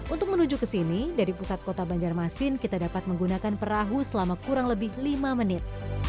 untuk menuju ke sini dari pusat kota banjarmasin kita dapat menggunakan perahu selama kurang lebih lima menit